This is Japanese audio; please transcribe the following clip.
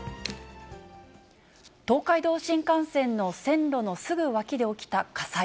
東海道新幹線の線路のすぐ脇で起きた火災。